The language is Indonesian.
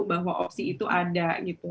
bahwa opsi itu ada